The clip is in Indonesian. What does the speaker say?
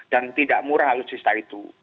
dan tidak murah alutsista itu